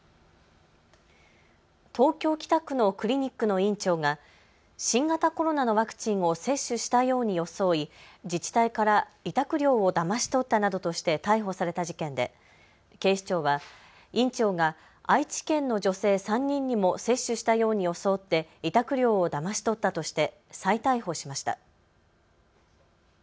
東京北区のクリニックの院長が新型コロナのワクチンを接種したように装い、自治体から委託料をだまし取ったなどとして逮捕された事件で警視庁は院長が愛知県の女性３人にも接種したように装って委託料をだまし取ったとして再逮捕しました。